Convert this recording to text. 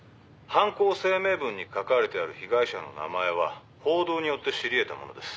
犯行声明文に書かれてある被害者の名前は報道によって知り得たものです。